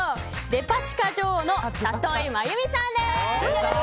デパ地下女王の里井真由美さんです。